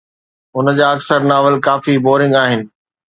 هن جا اڪثر ناول ڪافي بورنگ آهن